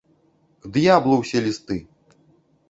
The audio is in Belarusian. К д'яблу ўсе лісты!